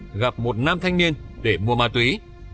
trong năm hai nghìn một mươi gặp một nam thanh niên để mua ma túy